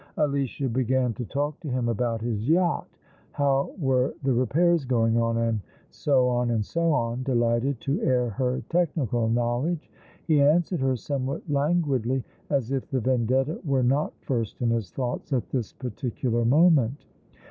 Alicia began to talk to him about his yacht. How were tbe repairs going on ? and so on, and so on, delighted to air her technical knowledge. He answered her somewhat languidly, as if the Vendetta were not first iu his thoughts at this particular moment.